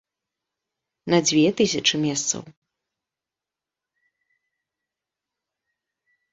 На дзве тысячы месцаў.